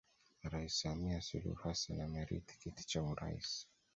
Rais Samia Suluhu Hassan amerithi kiti cha urais